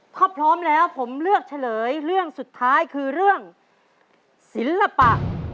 ถ้าพร้อมแล้วผมเลือกเฉลยเรื่องสุดท้ายคือเรื่องศิลปะ